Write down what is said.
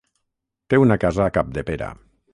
Té una casa a Capdepera.